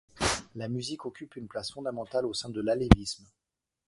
La musique occupe une place fondamentale au sein de l'alévisme.